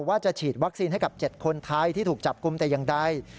ว่าจะฉีดวัคซีนให้กับ๗คนไทยที่ถูกจับกลุ่มแต่อย่างใด